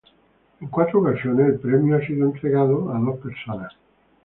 En cuatro ocasiones el premio ha sido entregado a dos personas.